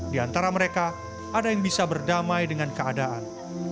di antara mereka ada yang bisa berdamai dengan keadaan